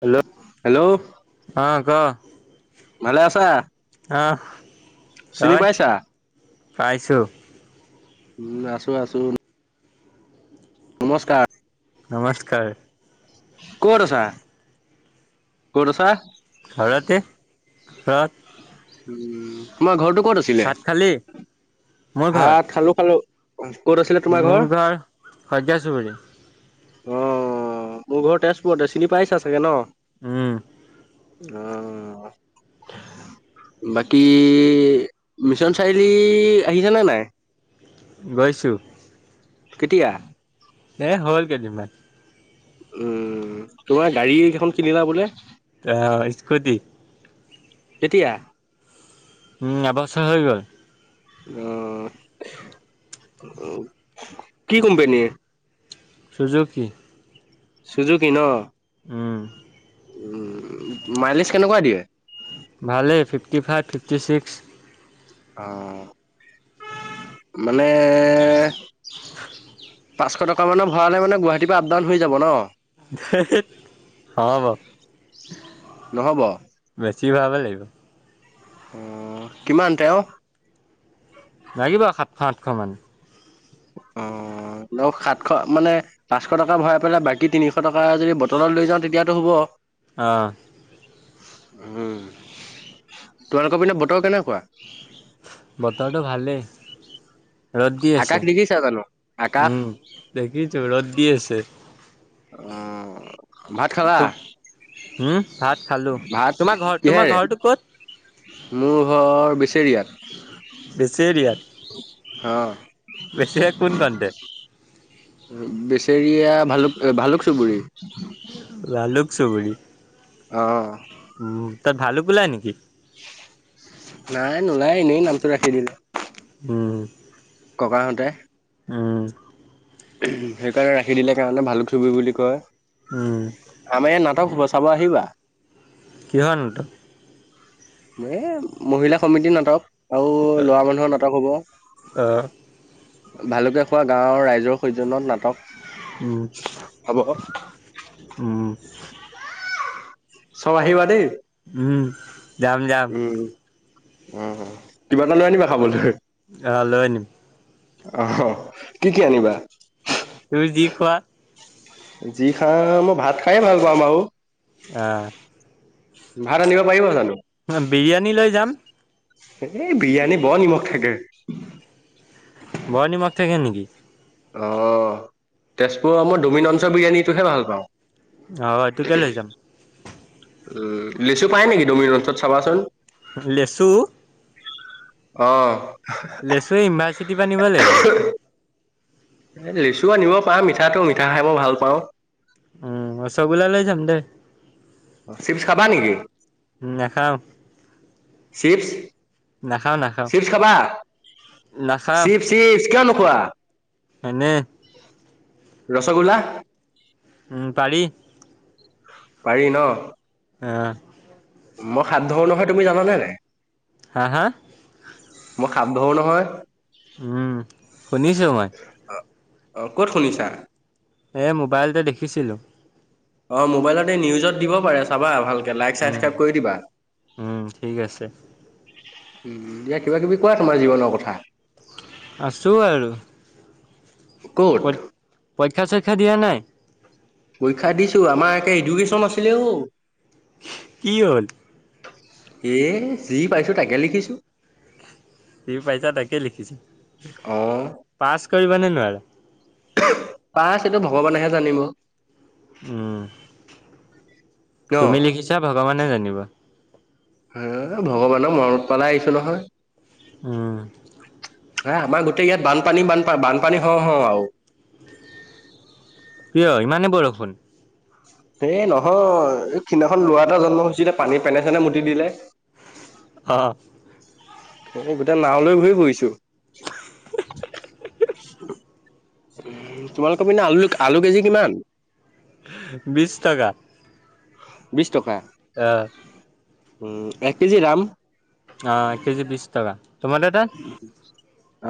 Hello hello আহ ক ভালে আছা? চিনি হয় পাইছা? পাইছোঁ। উম আছো আছো। নমস্কাৰ। নমস্কাৰ। কত আছা? কত আছা? ঘৰতে ঘৰত। উম তোমাৰ ঘৰটো? ক'ত আছিলে? ভাত খালী? ভাত খালো খালো। ক'ত আছিলে তোমাৰ ঘৰ? শইকীয়া চুবুৰী অ মোৰ ঘৰ তেজপুৰতে চিনি পাইছা চাগে ন। উম। উম বাকী মিছন চাৰিআলি আহিছা নে নাই? গৈচো। কেতিয়া? এ হ'ল কেই দিন মান। উম তোমাৰ গাড়ী কেইখন কিনিলা বোলে। অ স্কুতি। কেতিয়া? উম এবছৰ হৈ গ'ল। আহ কি কোম্পানীৰ? চোজুকি চুজুকি ন? উম। উম মাইলিছ কেনেকুৱা দিয়ে? ভালেই ফিফটি ফাইভ, ফিফটি ছিক্স অ মানে পাঁচশ টকা মানৰ ভৰালে মানে গুৱাহাটীৰ পৰা আপ ডাউন হৈ যাব ন? ধেৎ নহব। নহ'ব অ বেছি ভৰাব লাগি থিক অ কিমান তেওঁ? লাগিব সাতশ, আঠশমান। অ আৰু সাতশ মানে পাঁচশ টকা ভৰাই পেলাই বাকী তিনিশ টকা যদি বটলত লৈ যাওঁ তেতিয়াতো হ'ব। অঁ। উ তোমালোকৰ পিনে বতৰ কেনেকুৱা? বতৰটো ভালে। ৰ'দ দি আকাশ আছে। দেখিছা জানো আকাশ উম দেখিছো, ৰ'দ দি আছে। উম। উম, ভাত খালো। ভাত তোমাৰ ঘৰ, তোমাৰ কিহেৰে ঘৰটো ক'ত? মোৰ ঘৰ বেচৰিয়াত। বেছেৰীয়াত। বেছেৰিয়াত কোন কণটে? বেচেৰিয়া ভালুক-ভালুক চুবুৰী। ভালুক চুবৰি? অ উম, তাত ভালুক ওলাই নেকি? নাই নোলাই। এনেই নামটো ৰাখি দিলে। উম। থকাহঁতে উ। সেইকাৰণে ৰাখি দিলে কাৰণে ভালুক চুবুৰী বুলি কয়। উম আমাৰ ইয়াত নাটক হব চা চাব আহিবা। কিহৰ নাটক? এ মহিলা সমিতিৰ নাটক। আৰু ল'ৰা মানুহৰ নাটক আহ হ'ব। ভালকে খোৱা গাঁওৰ ৰাইজৰ সৌজন্যত উম নাটক। হ'ব। উম চব আহিবা দেই। উম। যাম, যাম। উ কিবা এটা লৈ আনিবা খাবলে। আহ লৈ আনিম। আহ কি-কি আনিবা? তুমি যি খোৱা। যি খা মই ভাত খাইয়ে ভাল পাওঁ বাৰু। আ। ভাড়া নিব পাৰিব জানো? বিৰিয়ানী লৈ যাম। এ বিৰিয়ানী বৰ নিমখ থাকে। বৰ নিমখ থাকে নেকি? অ তেজপুৰৰ, মই ডমিনঞ্চৰ বিৰিয়ানীটোহে ভাল পাওঁ। হঅ সেটোকে লৈ যাম। উম লেচু পায় নেকি ডমি ৰঞ্চত চাবাচোন। লেছু অ লেচু এই ইনভাৰ্চিটি পৰা নিব লাগিব। লিচুও আনিব পাৰা মিঠাটো মিঠা খাই মই ভাল পাওঁ। উম ৰচগোলা লৈ যাম দে। চিপছ খাবা নেকি? নাখাও চিপছ নাখাওঁ নাখাওঁ চিৱ চিপচ কিয় নোখোৱা এনে ৰসগোল্লা উম পাৰি পাৰি ন অহ মই হাত ধৰো নহয় তুমি জানে নাই হা হা মই খাপ ধৰো নহয় উম শুনিছো মই অ ক'ত শুনিছা এ মোবাইলতে দেখিছিলোঁ অ মোবাইলতে নিউজত দিব পাৰে চাবা ভালক লইক উম চাবচক্ৰাইব কৰি দিবা। উম ঠিক আছে উ দিয়া কিবা কিবি কোৱা তোমাৰ জীৱনৰ কথা আছোঁ আৰু কত? শিক্ষা চিক্ষা দিয়া নাই? পৰীক্ষা দিছো আমাৰ একে এডুকেশ্যন আছিলে অ। কি হ'ল? এ যি পাইছো তাকে লিখিছো। যি পাইছা তাকে লিখিছো অ পাছ কৰিব নে নোৱাৰ। পাছ এইটো ভগৱানেহে জানিব উম ন তুমি লিখিছা ভগৱানে জানিব। এ ভগৱানৰ মৰমত পালাই আহিছো নহয়। উম হা আমাৰ গোটেই ইয়াত বানপানী বানপান বানপানী হ হ আৰু- কিয় ইমানে বৰষুণ। এ নহয় এই হিদিনাখন লোৱা এটা জন্ম হৈছিলে পানী পেনে চেনে মুতি দিলে। অহ। অ গোতেই নাৱ লৈ ঘূৰি ফুৰিছো তোমালোকৰ পিনে আলু আলু কেজি কিমান? বিছ টকা। বিছ টকা অহ উম এক কেজি দাম অ কেজি বিছ টকা তোমালোকৰ তাত উ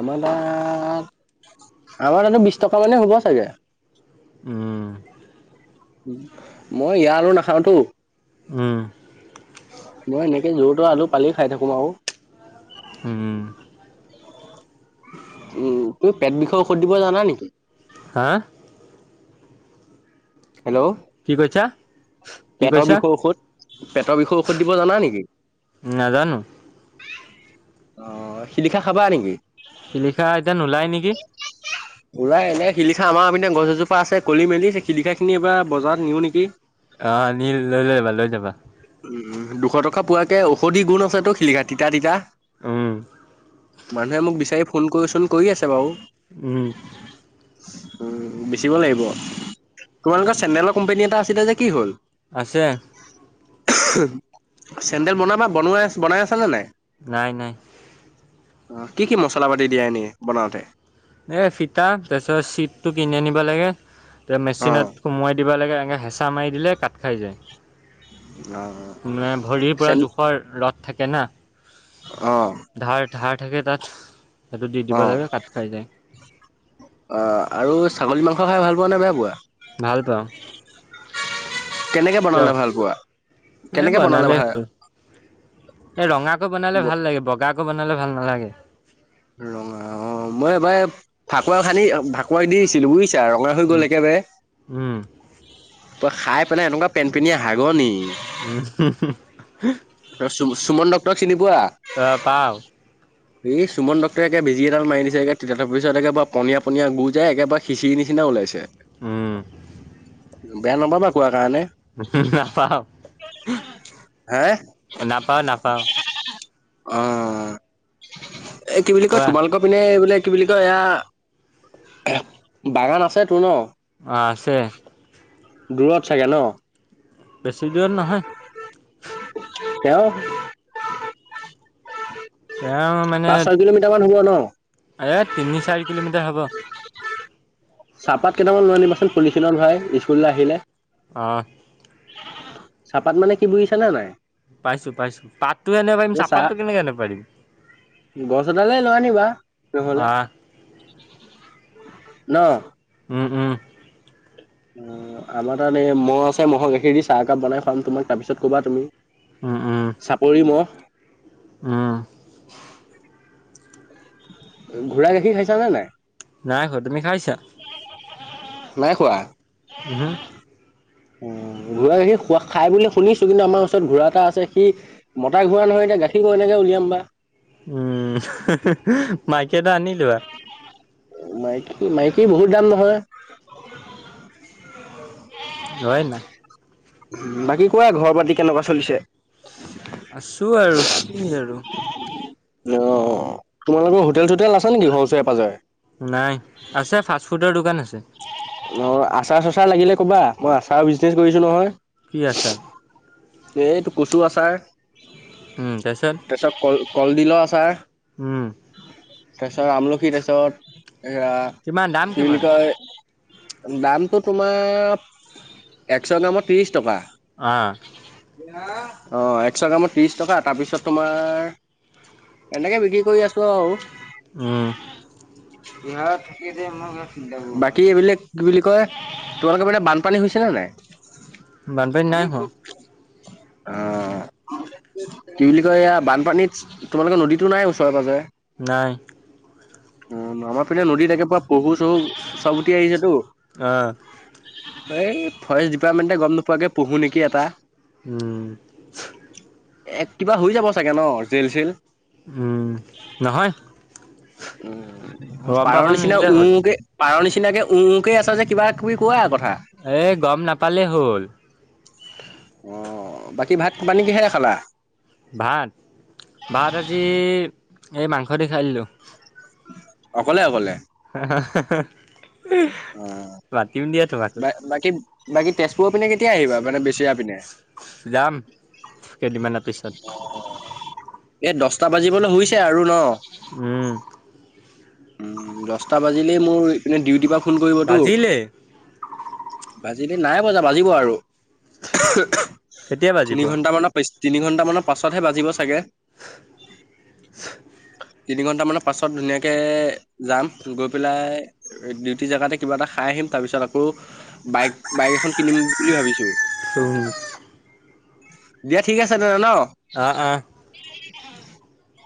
আমাৰ তাত আমাৰ তাতো বিশ টকা মানে হ'ব চাগে। উম মই ইয়া আলু নাখাওতো উ মই এনেকে যোৰ ত আলু পালি খাই থাকোম আৰু উম উম তুমি পেট বিষয়ে ঔষধ দিব জানা নেকি? হা হেল্ল' কি কৈছা? কি পেটৰ কৈছা বিষয়ৰ ঔষধ পেটৰ বিষয়ে ঔষধ দিব জানা নেকি? নাজানো অ শিলিখা খাবা নেকি? শিলিখা এতিন নোলায় নেকি। উৰাই এনে শিলিখা আমাৰপিনে গছ এজোপা আছে কলি মেলি শিলিখা খিনি এইবাৰ বজাৰত নিও নেকি? আহ নীল লৈ লৈ যাবা লৈ যাবা। উম দুশ টকা পোৱাকে ঔষধি গুণ আছে তো শিলিঘাট তিতা তিতা আহম। মানুহে মোক বিচাৰি ফোন কৰিচোন কৰি আছে বাৰু উম উম বেচিব লাগিব তোমালোকৰ চেডেলৰ কোম্পানী এটা আছিলে যে কি হ'ল? আছে। চেন্দেল বনোৱা বা বনাই আ বনাই আছ নে নাই? নাই নাই। অ কি কি মছলা পাতি দিয়া এনেই বনাওতে এ ফিতা তাৰপিছত চিটটো কিনি আনিব লাগে ত অ' মেচিনত সোমোৱাই দিবা লাগে। এনেকৈ হেঁচা মাৰি দিলে কাট খাই যায়। অ' মানে ভৰিৰ পৰা চেন জোখৰ ৰদ থাকে না। অ' ধাৰ ধাৰ থাকে তাত। সেইটো দি দিব অ', লাগে কাট খাই যায় আহ আৰু ছাগলী মাংস খাই ভাল পোৱা নে বেয়া পোৱা? ভাল পাওঁ। কেনেকে কিয়? বনালে ভাল পোৱা কেনেকে বনালে ভাল? এই ৰঙাকো বনালে ভাল লাগে বগাকো বনালে ভাল নালাগে। ৰঙা অ', মই এইবাৰ ফাকুৱা খান্দি ভাকুৱা দিছিলো বুজিছ। ৰঙা হৈ গ'ল উম একেবাৰে উম তই খাই পেলাই এনেকুৱা পেন পেনিয়া হাগনি। উম। সুমন সুমন ডক্টৰ চিনি পোৱা? অ', পাওঁ সুমন ডক্টৰে একে বেজী এডাল মাৰি দিছে একে তাৰপিছত একেবাৰে পন পনীয়া গু যায় একেবাৰে খিচিৰি নিচনা ওলাইছে। উম। বেয়া নাপাবা কোৱা কাৰণে। হু হু নাপাওঁ। হে? নাপাওঁ নাপাওঁ অ এ কি বুলি কয় কোৱা তোমালোকৰ পিনে বোলে কি বুলি কয় এয়া বাগান আছে তোৰ ন। অ', আছে। দূৰত চাগে ন? বেছি দূৰত নহয়। তেওঁ? তেওঁ মানে পাঁচ ছয় কিলোমিটাৰ মান হ'ব ন? এ তিনি চাৰি কিলোমিটাৰ হ'ব চাহপাত কেইটামান লৈ আনিবাচোন পলুঠিনত ভৰাই স্কুললৈ আহিলে। আহ। চাহপাত মানে কি বুজিছানে নাই? পাইছো পাইছো পাতটো আনিব পাৰিম এই চাহ চাহপাতটো কেনেকে আনিব পাৰিম? গছ এডালে লৈ আনিবা নহলে আহ ন। উম হম অ আমাৰ তাত এই মহ আছে মহ'ৰ গাখীৰ দি চাহ একাপ বনাই খোৱাম তোমাক তাৰপিছত কবা তুমি। উম উম চাপৰি মহ। উম ঘোঁৰা গাখীৰ খাইছানে নাই? নাই খোৱা তুমি খাইছা নাই খোৱা। উম অ', ঘোঁৰা গাখীৰ খোৱা খাই বুলি শুনিছো কিন্তু আমাৰ ওচৰত ঘোঁৰা এটা আছে সি মতা ঘোঁৰা নহয়। এ গাখীৰ গৈ কেনেকে উলিয়াম বা। উম মাইকী এটা আনিলোৱা। মাইকী মাইকী বহুত দাম নহয়। হয় ন। বাকী কোৱা ঘৰ বাতি কেনেকুৱা চলিছে। আছো আৰু কি আৰু। অ', তোমালোকৰ হোটেল চোটেল আছা নেকি ঘৰ ওচৰে পাঁজৰে। নাই আছে ফাষ্ট ফুডৰ দোকান আছে। অ', আচাৰ চচাৰ লাগিলে কবা মই আচাৰৰ বিজনেচ কৰিছো নহয়। কি আচাৰ? এই টো কচু আচাৰ। উম তাৰপিছত। কলডিলৰ আচাৰ। উম। তাৰপিছত আমলখি তাৰপিছত ৰা কিমান দাম কি বুলি কিমান কয়। দামটো তোমাৰ একশ গ্ৰামত ত্ৰিশ টকা। আ অ একশ গ্ৰামত ত্ৰিশ টকা তাৰপিছত তোমাৰ এনেকে বিক্ৰী কৰি আছো আৰু। উম। বাকী এইবিলাক কি বুলি কয় তোমালোকে ফালে বানপানী হৈছে? চেনে নাই? বানপানী নাই হোৱা। অ কি বুলি কয় এয়া বানপানীত তোমালোকে নদীতো নাই ওচৰে পাজৰে? নাই উম আমাৰ পিনে নদীত তাকে পৰা। পহু চহু চাব উতি আহিছেতো। অঁ এই ফৰেষ্ট ডিপাৰ্টমেণ্টে গম নোপোৱাকে পোঢ়ো নেকি এটা উম এ কিবা হৈ যাব চাগে ন জেল চেল? হম নহয় উম গম পাব পাৰৰ নিচিনা নিদিলে উ হ'ল উ কে- পাৰ নিচিনাকে উ উ কে আছে যে কিবা কিবি কোৱা কথা। এ গম নাপালেই হ'ল। অ বাকী ভাত পানী কিহেৰে খালা? ভাত ভাত আজি এই মাংস দি খাই দিলোঁ। অকলে অকলে। অ মাতিম দিয়া। তোমাকো বা বাকী বাকী তেজপুৰৰ পিনে কেতিয়া আহিবা মানে? চিয়া পিনে। যাম কেইদিনমানৰ পিছত এ দহটা বাজিবলৈ শুইছে আৰু ন। উম। উ দহটা বাজিলেই মোৰ ইপিনে ডিউটিৰ পা ফোন কৰিবতো। বাজিলেই লেই নাই বজা বাজিব আৰু কেতিয়া বাজিব তিনি ঘণ্টামানৰ পিছ। তিনি ঘণ্টামানৰ পাছতহে বাজিব চাগে। তিনি ঘণ্টা মানৰ পাছত ধুনীয়া। কে যাম গৈ পেলাই ডিউটি জেগাতে কিবা এটা খাই আহিম তাৰপিছত আকৌ। বাইক বাইক এখন কিনিম বুলি ভাবিছো। দিয়া ঠিক আছে তেন্তে ন। অ অ। [unintelligible]